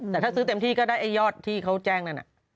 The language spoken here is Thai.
แต่ถ้าซื้อเต็มที่ก็ได้ไอ้ยอดที่เขาแจ้งนั่น